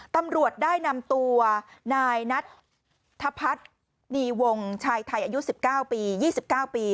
ตำรวจได้นำตัวนายนัทภัทรนีวงชายไทยอายุสิบเก้าปียี่สิบเก้าปี